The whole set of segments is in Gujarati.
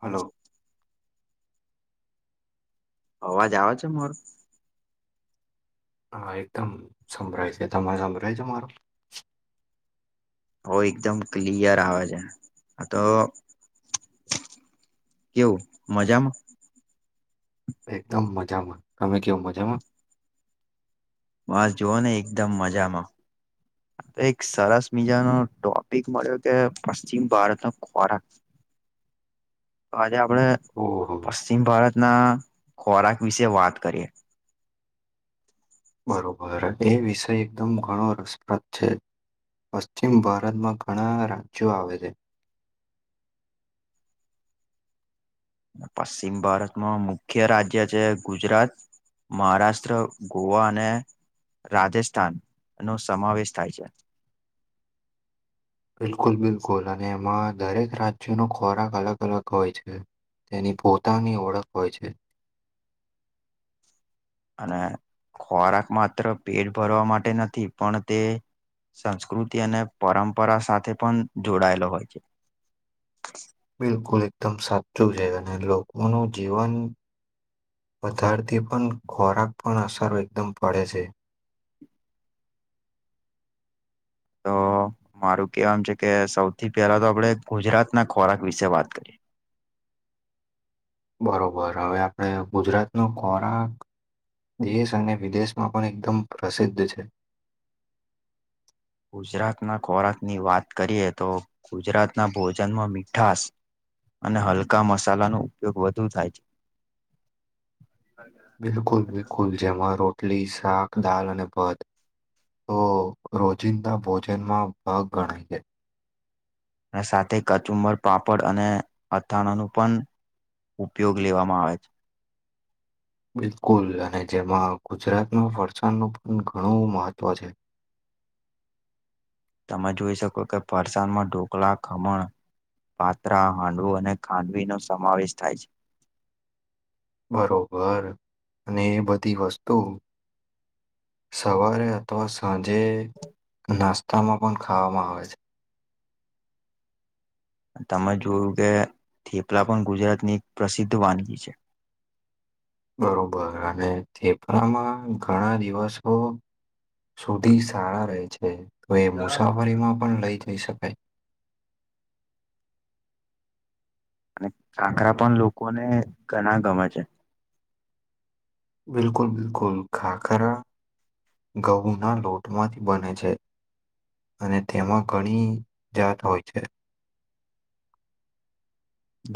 હલો અવાજ આવે છે મારો હા એકદમ સંભળાય છે તમે સંભળાય છેો મારો ઓ એકદમ ક્લિયર આવે છે તો કેવું મજામાં એકદમ મજામાં તમે કેવ મજામાં બસ જોઓ ને એકદમ મજામાં એક સરસ મીજાનો ટોપિક મળ્યો કે પશ્ચિમ ભારતનો ખોરાક હા તો આપડે ઓહો પશ્ચિમ ભારતના ખોરાક વિશે વાત કરીએ બરોબર એ વિષય એકદમ ઘણો રસપ્રદ છે પશ્ચિમ ભારતમાં ઘણા રાજ્યો આવે છે [inaudible] ને પશ્ચિમ ભારતમાં મુખ્ય રાજ્ય છે ગુજરાત મહારાષ્ટ્ર, ગોવા અને રાજસ્થાન નો સમાવેશ થાય છે બિલકુલ, બિલકુલ, અને એમાં દરેક રાજ્યનો ખોરાક અલગ, અલગ હોય છે તેની પોતાની ઓળખ હોય છે [inaudible] અને ખોરાક માત્ર પેટ ભરવા માટે નથી પણ તે સંસ્કૃતિ અને પરંપરા સાથે પણ જોડાયેલો હોય છે બિલકુલ એકદમ સાચું છે, અને લોકોનું જીવન વધારતી પણ ખોરાક પણ અસર એકદમ પડે છે હા મારું કેવામ છે કે સૌથી પહેલા તો આપણે ગુજરાત ના ખોરાક વિશે વાત કરીએ બરોબર, હવે આપડે ગુજરાત નો ખોરાક દેશ અને વિદેશમાં પણ એકદમ પ્રસિદ્ધ છે [inaudible] ગુજરાતના ખોરાકની વાત કરીએ તો ગુજરાતના ભોજનમાં મીઠશ અને હલકા મસાલાનો ઉપયોગ વધુ થાય છે બિલકુલ, બિલકુલ જેમાં રોટલી, શાક, દાલ અને ભાત તો રોજિંદા ભોજનમાં ભાગ ગણાય જાય અને સાથે કચુંબર પાપડ અને અથાણાનું પણ ઉપયોગ લેવામાં આવે છે બિલકુલ અને જેમાં ગુજરાતમાં વરસાદનું પણ ઘણું મહત્વ છે તમે જોઈ શકો કે ફરસાણમાં ઢોકળા ખમણ પાત્રા હાંડવું અને ખાંડવીનો સમાવેશ થાય છે બરોબર અને એ બધી વસ્તુ સવારે અથવા સાંજે નાસ્તામાં પણ ખાાવવામાં આવે છે તમે જોયું કે થેપલા પણ ગુજરાતની એક પ્રસિદ્ધ વાનગી છે [inaudible] બરોબર અને થેપરામાં ઘણા દિવસો સુધી સાળા રહે છે તો એ મુસાફરીમાં પણ લઈ જઈ શકાય. અને ખાખરા પણ લોકોને ઘણા ગમે છે. બિલકુલ બિલકુલ ખાખરા ઘઉંના લોટમાંથી બને છે. અને તેમાં ઘણી જાત હોય છે.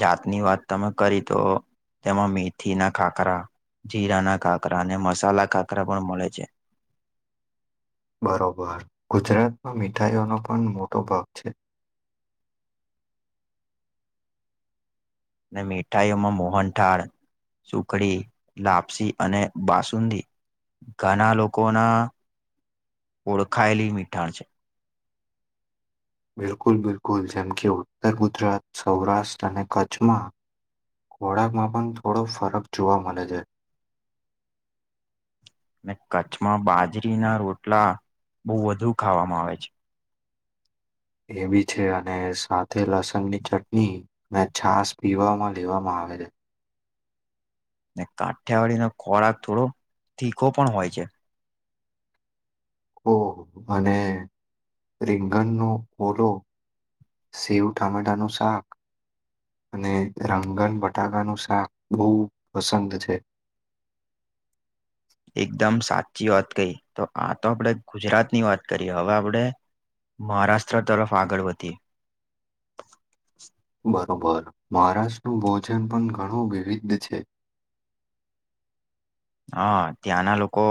જાતની વાત તમે કરી તો તેમાં મેથીના ખાખરા જીરાના ખાખરા અને મસાલા ખાખરા પણ મળે છે. બરોબર ગુજરાતમાં મીઠાઈઓનો પણ મોટો ભાગ છે. અને મીઠાઈઓમાં મોહનઠાળ સુખડી લાપસી અને બાસુંદી ઘના લોકોના ઓળખાયેલી મીઠાણ છે. બિલકુલ બિલકુલ જેમ કે ઉત્તર ગુજરાત, સૌરાષ્ટ્ર અને કચ્છમાં ખોરાકમાં પણ થોડો ફરક જોવા મલે છે. [inaudible] અને કચ્છમાં બાજરીના રોટલા બહુ વધુ ખાવામાં આવે છે. એ બી છે અને સાથે લસણની ચટણી ને છાસ પીવામાં લેવામાં આ આવે છે. ને કાઠિયાવાડીનો ખોરાક થોડો તીખો પણ હોય છે. ઓહ અને રીંગણનો ઓલો. સેવ ટામેટાનું શાક અને રંગન બટાકાનું શાક બહુ પસંદ છે. [inaudible] એકદમ સાચી વાત કહી તો આ તો આપણે ગુજરાતની વાત કરી હવે આપણે મહારાષ્ટ્ર તરફ આગળ વધીએ. બરોબર મહારાષ્ટ્રનું ભોજન પણ ઘણું વિવિધ છે. હા, ત્યાંના લોકો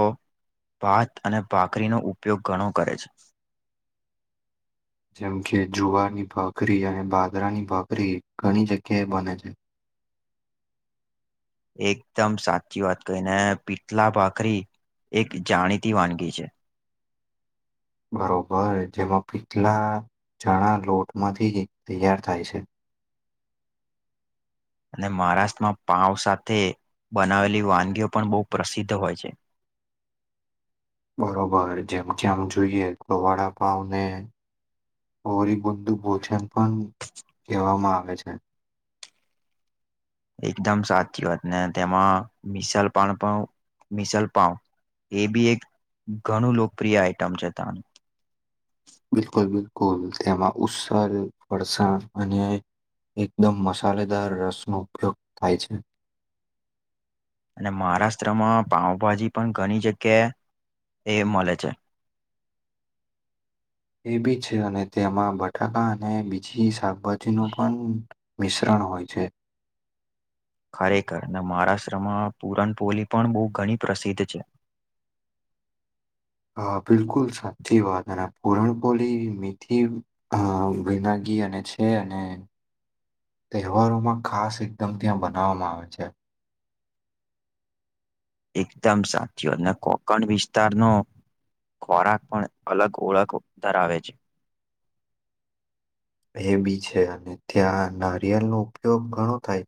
ભાત અને ભાખરીનો ઉપયોગ ઘણો કરે છે. જેમ કે જુવારની ભાખરી અને બાદરાની ભાખરી ઘણી જગ્યાએ બને છે. [inaudible] એકદમ સાચી વાત કહી ને પીતલા ભાખરી એક જાણીતી વાનગી છે. બરોબર જેમાં પીતલા ચણા લોટમાંથી જ તૈયાર થાય છે. અને મહારાષ્ટ્રમાં પાઉ સાથે બનાવેલી વાનગીઓ પણ બહુ પ્રસિદ્ધ હોય છે. બરોબર જેમ જેમ જોઈએ ગવાડા પાવને ઓરીબુંદુ ભોજન પણ કહેવામાં આવે છે. એકદમ સાચી વાત ને તેમાં મિસલ પાઉ પણ મિસલ પાવ એ બી એક ઘણું લોકપ્રિય આઈટમ છે તાનુ. બિલકુલ બિલકુલ તેમાં ઉસલ ફરસાણ અને એકદમ મસાલેદાર રસનો ઉપયોગ થાય છે. [inaudible] અને મહારાષ્ટ્રમાં પાઉભાજી પણ ઘણી જગ્યાએ એ મળે છે. એ બી છે અને તેમાં બટાકા અને બીજી શાકભાજીનો પણ મિશ્રણ હોય છે. ખરેખર ને મહારાષ્ટ્રમાં પૂરણપોળી પણ બહુ ઘણી પ્રસિદ્ધ છે. [inaudible] હ બિલકુલ સાચી વાત અને પૂરણપોલી મીઠી અ વિનાગી [unintelligible] અને છે અને તહેવારોમાં ખાસ એકદમ ત્યાં બનાવવામાં આવે છે એકદમ સાચું અને કોકણ વિસ્તારનો ખોરાક પણ અલગ ઓળખ ધરાવે છે એ બી છે અને ત્યાં નારિયેળનો ઉપયોગ ઘણો થાય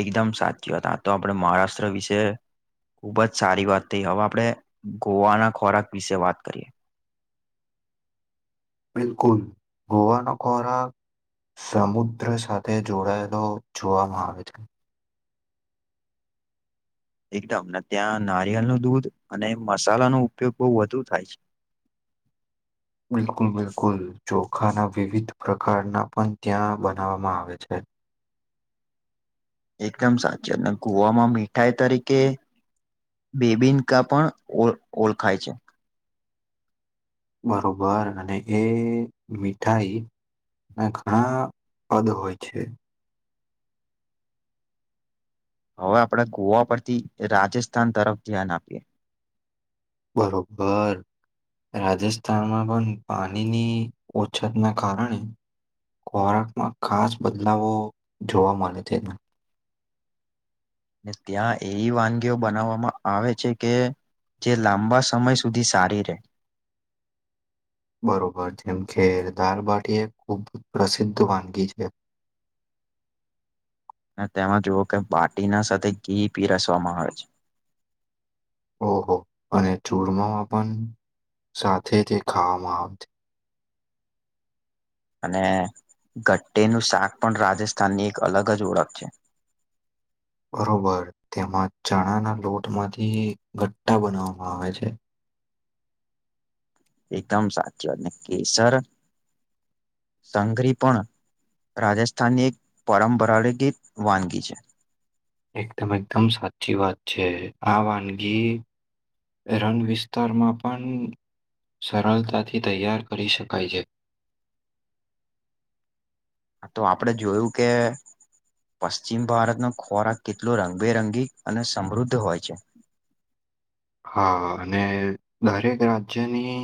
એકદમ સાચી વાત આ તો આપણે મહારાષ્ટ્ર વિશેએ ખૂબ જ સારી વાત થઈ હવે આપણે ગોવાના ખોરાક વિશે વાત કરીએ [inaudible] બિલકુલ ગોવાનો ખોરાક સમુદ્ર સાથે જોડાયેલો જોવામાં આવે છે એકદમને ત્યાં નારિયળ નું દૂધ અને મસાલા નો ઉપયોગ બહુ વધુ થાય છે [inaudible] બિલકુલ બિલકુલ ચોખાના વિવિધ પ્રકારના પણ ત્યાં બનાવવામાં આવે છે એકદમ સાચી ગોવામાં મીઠાઈ તરીકે બેબિનકા પણ ઓળખાય છે બરોબર અને એ મીઠાઈ અને ઘણા પદ હોય છે હવે આપણે ગોવા પરથી રાજસ્થાન તરફ ધ્યાન આપીએ બરોબર રાજસ્થાનમાં પણ પાણીની ઓછતના કારણે ખોરાકમાં ખાસ બદલાવો જોવા મળે છે ને ત્યાં એવી વાનગીઓ બનાવવામાં આવે છે કે જે લાંબા સમય સુધી સારી રહે બરોબર, જેમ કેે દારબાટીએ ખૂબ જ પ્રસિદ્ધ વાનગી છે [unintelligible] અને તેમાં જોવો કે બાટીના સાથે ઘી પીરસવામાં આવે છે ઓહો અને ચૂરમામા પણ સાથે જ ખાવામાં આવતી અને ગટ્ટેનું શાક પણ રાજસ્થાનની એક અલગ જ ઓળખ છે [unintelligible] બરોબર તેમાં ચણાના લોટ માંથી ગટ્ટા બનાવવામાં આવે છે એકદમ સાચું, કેસર સંગરી પણ રાજસ્થાનની એક પરંપરાગગીત વાનગી છે એકદમ એકદમ સાચી વાત છે, આ વાનગી રન વિસ્તારમાં પણ સરળતાથી તૈયાર કરી શકાય છે આતો આપડે જોયું કે પશ્ચિમ ભારતનો ખોરાક કેટલો રંગબેરંગી અને સમૃદ્ધ હોય છે [unintelligible] હા, અને દરેક રાજ્યની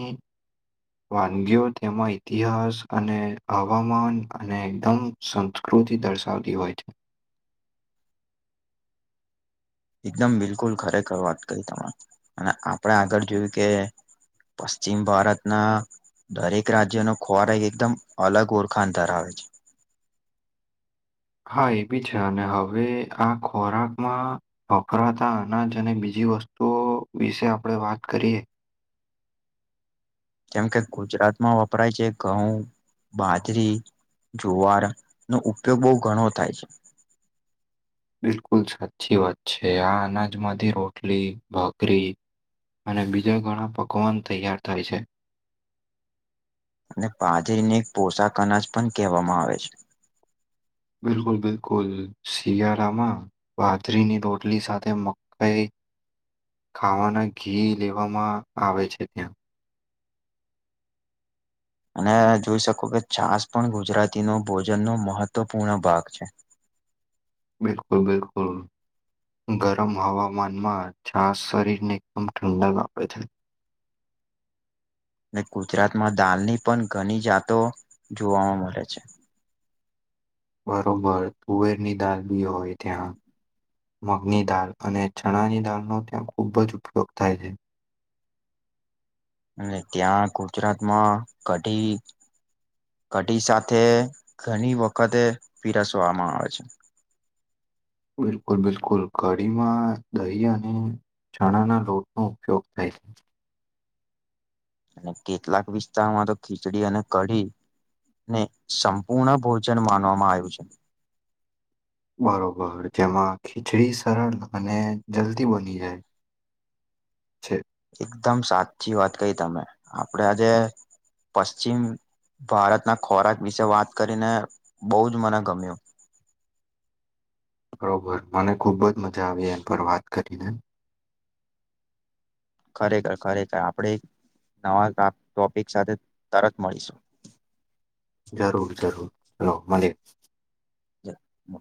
વાનગીઓ તેમાં ઇતિહાસ અને હવામાન અને એકદમ સંસ્કૃ તી દર્શાવતી હોય છે [inaudible] એકદમ બિલકુલ ખરેખર વાત કરી તમે અને આપણે આગળ જોયું કે પશ્ચિમ ભારતના દરેક રાજ્યનો ખોરા એક એકદમ અલગ ઓળખણ ધરાવે છે હા એ બી છે અને હવે આ ખોરાકમાં વફરાતા અનાજ અને બીજ બ વસ્તુઓ વિશે આપણે વાત કરીએ જેમ કે ગુજરાતમાં વપરાય છે ઘઉં બાજરી જુવાર નો ઉપયોગ બો ઘણો થાય છે બિલકુલ સાચી વાત છે આ અનાજમાંથી રોટલી ભાકરી અને બીજા ઘણા પકવાન તૈયાર થાય છે અને બાજરીને એક પોશાક અનાજ પણ કહેવામાં આવે છે બિલકુલ બિલકુલ શિયાળામાં બાજરીની રોટલી સાથે મકાઈ [inaudible] ખાવાના ઘી લેવામાં આવે છે ત્યાં અને જોઈ શકો કે છાસ પણ ગુજરાતીનો ભોજનનો મહત્વપૂર્ણ ભાગ છે [inaudible] બિલકુલ બિલકુલ ગરમ હવામાનમાં છાસ શરીરને એકદમ ઠંડાક આપે છે અને ગુજરાતમાં દાલની પણ ઘણી જાતો જોવામાં મળે છે બરોબર તુવેરની દાળ બી હોય ત્યાં મગની દાળ અને ચણાની દાળનો ત્યાં ખૂબ જ ઉપયોગ થાય છે અને ત્યાં ગુજરાતમાં કઢી કઢી સાથે ઘણી વખતે પીરસવામાં આવે છે બિલકુલ બિલકુલ કડીમાં દહી અને ચણા ના લોટ નો ઉપયોગ થાય [inaudible] અને કેટલાક વિસ્તારમાં તો ખીચડી અને કઢી ને સંપૂર્ણ ભોજન માનવામાં આવ્યું છે. બરોબર જેમાં ખીચડી સરળ અને જલ્દી બની જાય છે. એકદમ સાચી વાત કહી તમે આપડે આજે પશ્ચિમ ભારતના ખોરાક વિશે વાત કરીને બહુ જ મને ગમ્યું. બરોબર મને ખુબ જ મજા આવી એન પર વાત કરીને. ખરેખર ખરેખર. આપડે નવા તા ટોપિક સાથે તરત મળીશું. જરૂર જરૂર હલો મલિયે. જ મ